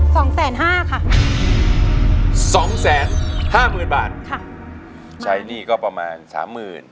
สองแสนห้าค่ะสองแสนห้าหมื่นบาทค่ะใช้หนี้ก็ประมาณสามหมื่น